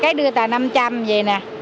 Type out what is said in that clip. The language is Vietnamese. cái đưa tài năm trăm linh vậy nè